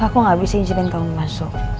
maaf aku enggak bisa injilin kamu masuk